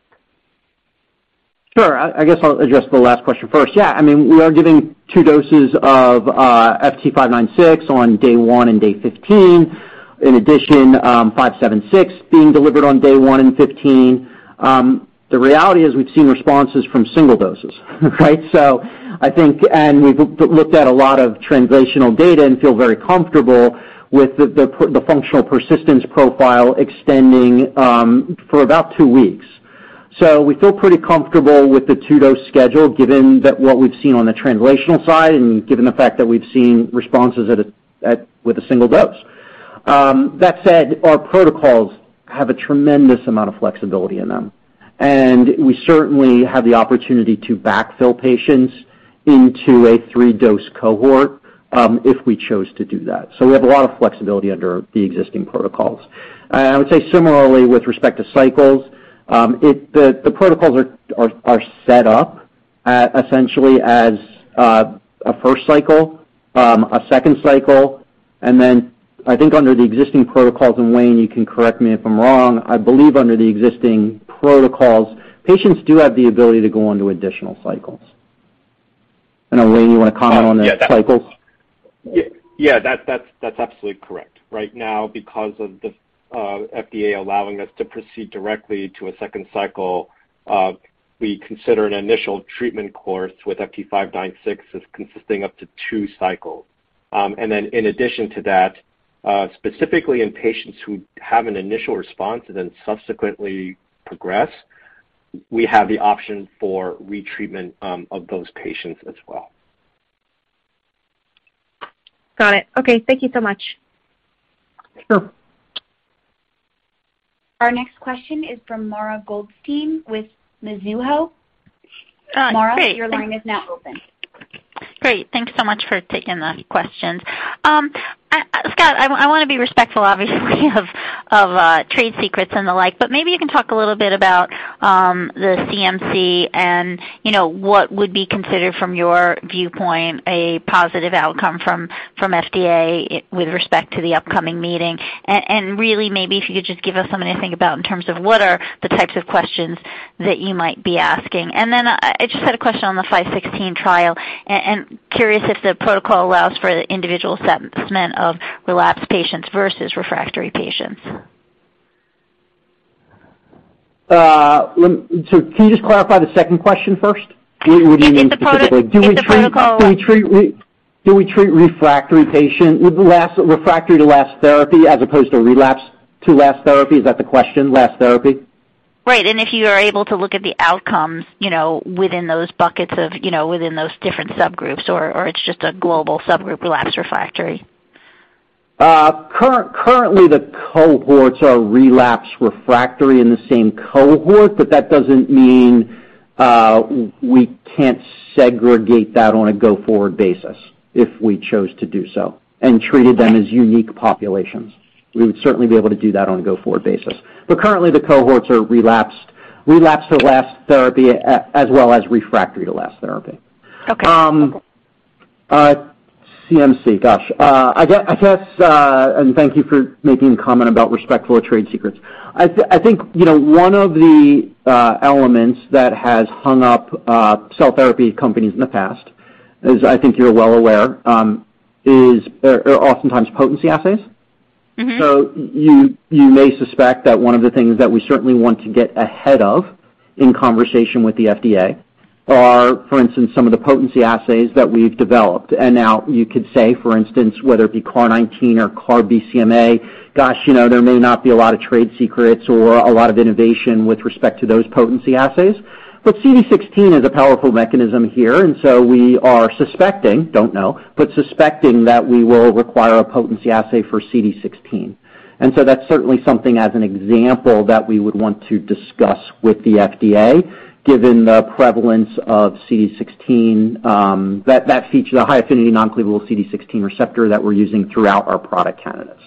Sure. I guess I'll address the last question first. Yeah, I mean, we are giving two doses of FT596 on day one and day 15. In addition, FT576 being delivered on day one and 15. The reality is we've seen responses from single doses, right? I think and we've looked at a lot of translational data and feel very comfortable with the functional persistence profile extending for about two weeks. We feel pretty comfortable with the two-dose schedule, given that what we've seen on the translational side and given the fact that we've seen responses with a single dose. That said, our protocols have a tremendous amount of flexibility in them, and we certainly have the opportunity to backfill patients into a three-dose cohort, if we chose to do that. We have a lot of flexibility under the existing protocols. I would say similarly with respect to cycles, the protocols are set up essentially as a first cycle, a second cycle, and then I think under the existing protocols, and Wayne, you can correct me if I'm wrong, I believe under the existing protocols, patients do have the ability to go onto additional cycles. I know, Wayne, you wanna comment on the cycles? Yeah. That's absolutely correct. Right now, because of the FDA allowing us to proceed directly to a second cycle, we consider an initial treatment course with FT596 as consisting up to two cycles. In addition to that, specifically in patients who have an initial response and then subsequently progress, we have the option for retreatment of those patients as well. Got it. Okay, thank you so much. Sure. Our next question is from Mara Goldstein with Mizuho. Great. Mara, your line is now open. Great. Thanks so much for taking the questions. Scott, I wanna be respectful obviously of trade secrets and the like, but maybe you can talk a little bit about the CMC and, you know, what would be considered from your viewpoint, a positive outcome from FDA with respect to the upcoming meeting. Really, maybe if you could just give us something to think about in terms of what are the types of questions that you might be asking. Then I just had a question on the five-sixteen trial. Curious if the protocol allows for the individual segment of relapsed patients versus refractory patients. Can you just clarify the second question first? What do you mean specifically? If the protocol. Do we treat refractory patient refractory to last therapy as opposed to relapse to last therapy? Is that the question, last therapy? Right. If you are able to look at the outcomes, you know, within those different subgroups or it's just a global subgroup relapse refractory. Currently, the cohorts are relapsed refractory in the same cohort, but that doesn't mean we can't segregate that on a go-forward basis if we chose to do so and treated them as unique populations. We would certainly be able to do that on a go-forward basis. Currently, the cohorts are relapsed to last therapy as well as refractory to last therapy. Okay. CMC. I guess, and thank you for making a comment about respect for trade secrets. I think, you know, one of the elements that has hung up cell therapy companies in the past, as I think you're well aware, is oftentimes potency assays. Mm-hmm. You may suspect that one of the things that we certainly want to get ahead of in conversation with the FDA are, for instance, some of the potency assays that we've developed. Now you could say, for instance, whether it be CAR 19 or CAR BCMA, gosh, you know, there may not be a lot of trade secrets or a lot of innovation with respect to those potency assays. CD16 is a powerful mechanism here, and so we are suspecting, don't know, but suspecting that we will require a potency assay for CD16. That's certainly something as an example that we would want to discuss with the FDA, given the prevalence of CD16, that feature, the high-affinity non-cleavable CD16 receptor that we're using throughout our product candidates.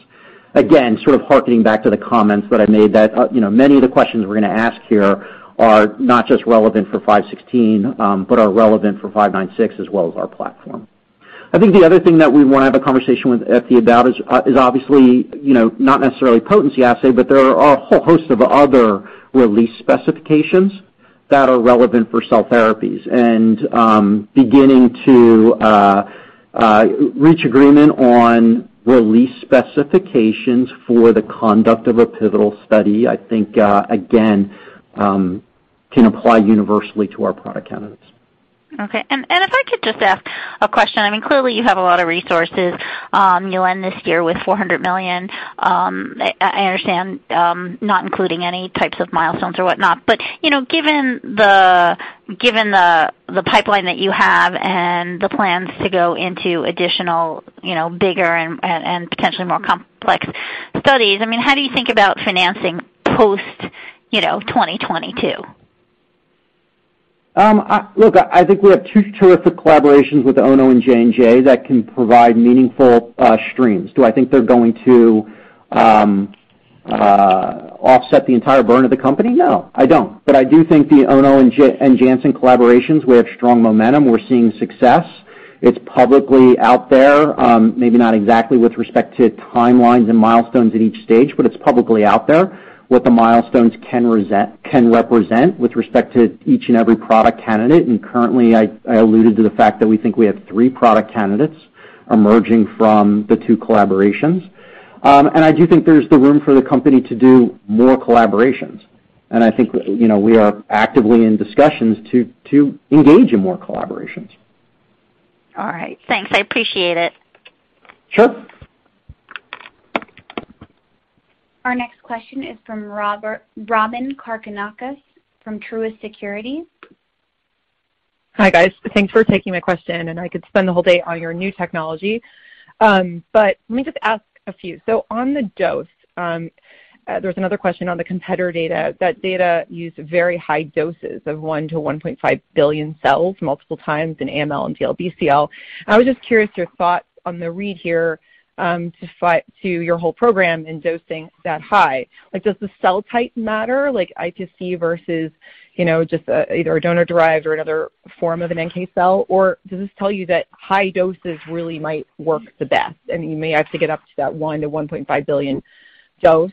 Again, sort of hearkening back to the comments that I made that, you know, many of the questions we're gonna ask here are not just relevant for FT516, but are relevant for FT596 as well as our platform. I think the other thing that we wanna have a conversation with FDA about is obviously, you know, not necessarily potency assay, but there are a whole host of other release specifications that are relevant for cell therapies. Beginning to reach agreement on release specifications for the conduct of a pivotal study, I think, again, can apply universally to our product candidates. Okay. If I could just ask a question. I mean, clearly, you have a lot of resources. You'll end this year with $400 million, I understand, not including any types of milestones or whatnot. You know, given the pipeline that you have and the plans to go into additional, you know, bigger and potentially more complex studies, I mean, how do you think about financing post, you know, 2022? Look, I think we have two terrific collaborations with Ono and J&J that can provide meaningful streams. Do I think they're going to offset the entire burn of the company? No, I don't. I do think the Ono and Janssen collaborations, we have strong momentum. We're seeing success. It's publicly out there, maybe not exactly with respect to timelines and milestones at each stage, but it's publicly out there, what the milestones can represent with respect to each and every product candidate. Currently, I alluded to the fact that we think we have three product candidates emerging from the two collaborations. I do think there's the room for the company to do more collaborations. I think, you know, we are actively in discussions to engage in more collaborations. All right. Thanks, I appreciate it. Sure. Our next question is from Robyn Karnauskas, from Truist Securities. Hi, guys. Thanks for taking my question, and I could spend the whole day on your new technology. But let me just ask a few. On the dose, there was another question on the competitor data. That data used very high doses of 1-1.5 billion cells multiple times in AML and DLBCL. I was just curious your thoughts on the read here, to your whole program in dosing that high. Like, does the cell type matter, like iPSC versus, you know, just a, either a donor-derived or another form of an NK cell? Or does this tell you that high doses really might work the best, and you may have to get up to that 1-1.5 billion dose?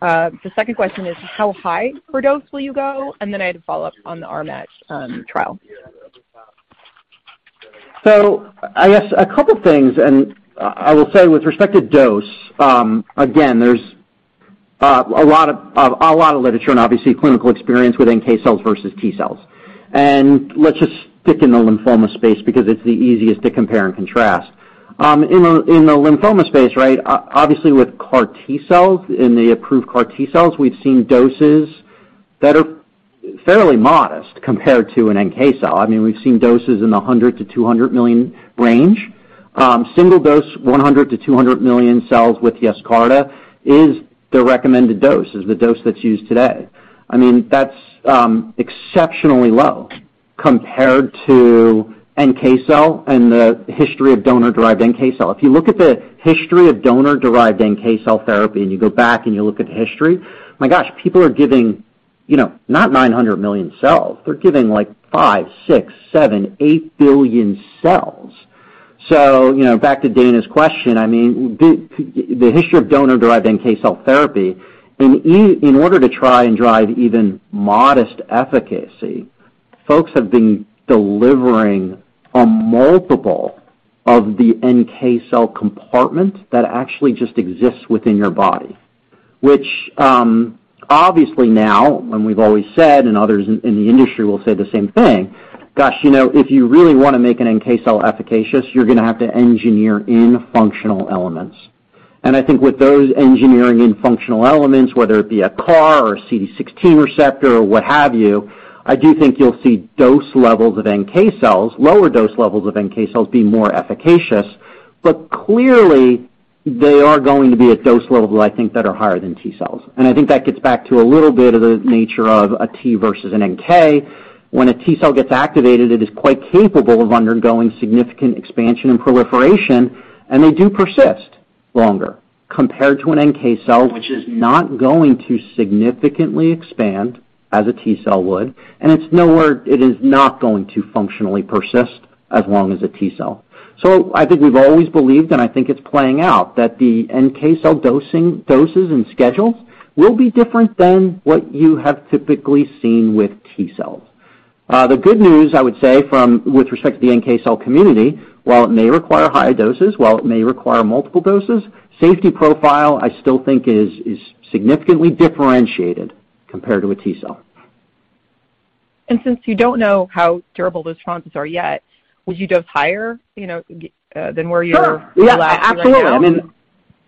The second question is how high per dose will you go? I had a follow-up on the RMAT trial. I guess a couple things, and I will say with respect to dose, again, there's a lot of literature and obviously clinical experience with NK cells versus T cells. Let's just stick in the lymphoma space because it's the easiest to compare and contrast. In the lymphoma space, right, obviously with CAR T cells, in the approved CAR T cells, we've seen doses that are fairly modest compared to an NK cell. I mean, we've seen doses in the 100-200 million range. Single dose 100-200 million cells with Yescarta is the recommended dose, is the dose that's used today. I mean, that's exceptionally low compared to NK cell and the history of donor-derived NK cell. If you look at the history of donor-derived NK cell therapy, and you go back and you look at the history, my gosh, people are giving, you know, not 900 million cells. They're giving, like, 5, 6, 7, 8 billion cells. You know, back to Daina's question, I mean, the history of donor-derived NK cell therapy in order to try and drive even modest efficacy, folks have been delivering a multiple of the NK cell compartment that actually just exists within your body, which, obviously now, and we've always said, and others in the industry will say the same thing, gosh, you know, if you really wanna make an NK cell efficacious, you're gonna have to engineer in functional elements. I think with those engineering and functional elements, whether it be a CAR or a CD16 receptor or what have you, I do think you'll see dose levels of NK cells, lower dose levels of NK cells being more efficacious. Clearly, they are going to be at dose levels, I think, that are higher than T cells. I think that gets back to a little bit of the nature of a T versus an NK. When a T cell gets activated, it is quite capable of undergoing significant expansion and proliferation, and they do persist longer compared to an NK cell, which is not going to significantly expand as a T cell would, and it is not going to functionally persist as long as a T cell. I think we've always believed, and I think it's playing out, that the NK cell dosing, doses and schedules will be different than what you have typically seen with T cells. The good news I would say from, with respect to the NK cell community, while it may require higher doses, while it may require multiple doses, safety profile I still think is significantly differentiated compared to a T cell. Since you don't know how durable those responses are yet, would you dose higher, you know, than where you're- Sure. At last, you are now?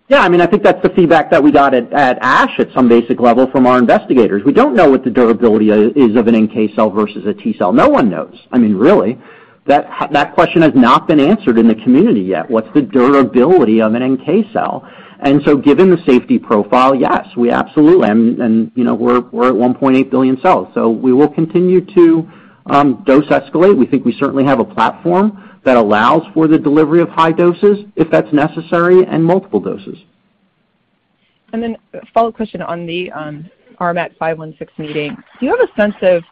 Yeah, absolutely. I mean, I think that's the feedback that we got at ASH at some basic level from our investigators. We don't know what the durability is of an NK cell versus a T cell. No one knows. I mean, really. That question has not been answered in the community yet. What's the durability of an NK cell? Given the safety profile, yes, we absolutely. You know, we're at 1.8 billion cells, so we will continue to dose escalate. We think we certainly have a platform that allows for the delivery of high doses if that's necessary and multiple doses. A follow-up question on the RMAT five one six meeting. Do you have a sense of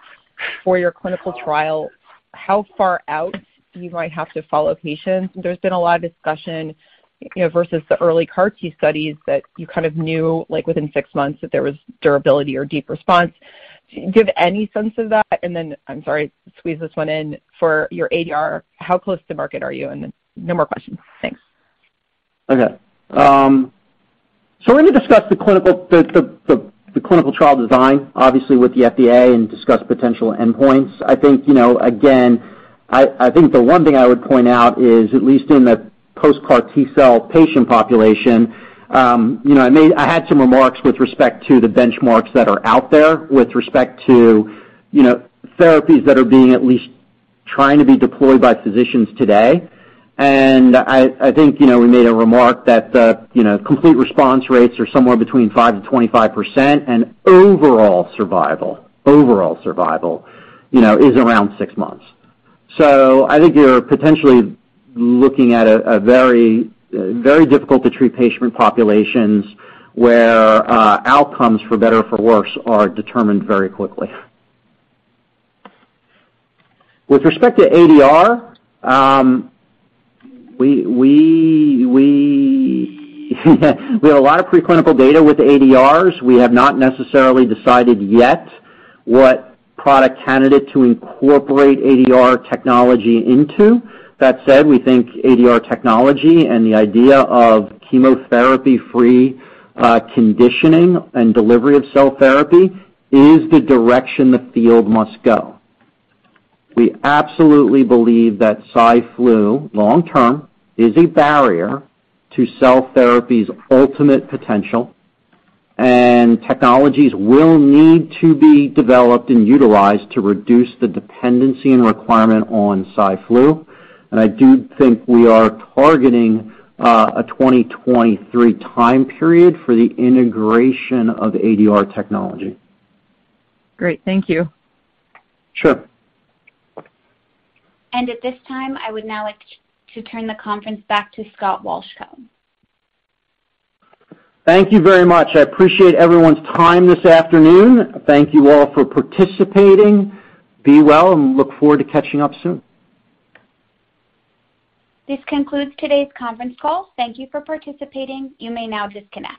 for your clinical trial, how far out you might have to follow patients? There's been a lot of discussion, you know, versus the early CAR T studies that you kind of knew, like, within six months that there was durability or deep response. Do you have any sense of that? I'm sorry, squeeze this one in. For your ADR, how close to market are you? No more questions. Thanks. Okay. We're gonna discuss the clinical trial design, obviously, with the FDA and discuss potential endpoints. I think, you know, again, I think the one thing I would point out is at least in the post-CAR T cell patient population, you know, I had some remarks with respect to the benchmarks that are out there with respect to, you know, therapies that are being at least trying to be deployed by physicians today. I think, you know, we made a remark that the, you know, complete response rates are somewhere between 5%-25%, and overall survival, you know, is around six months. I think you're potentially looking at a very, very difficult to treat patient populations where outcomes, for better or for worse, are determined very quickly. With respect to ADR, we have a lot of preclinical data with ADRs. We have not necessarily decided yet what product candidate to incorporate ADR technology into. That said, we think ADR technology and the idea of chemotherapy-free conditioning and delivery of cell therapy is the direction the field must go. We absolutely believe that Cy/Flu, long term, is a barrier to cell therapy's ultimate potential, and technologies will need to be developed and utilized to reduce the dependency and requirement on Cy/Flu. I do think we are targeting a 2023 time period for the integration of ADR technology. Great. Thank you. Sure. At this time, I would now like to turn the conference back to Scott Wolchko. Thank you very much. I appreciate everyone's time this afternoon. Thank you all for participating. Be well and look forward to catching up soon. This concludes today's conference call. Thank you for participating. You may now disconnect.